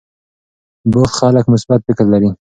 بوخت خلک مثبت فکر لري.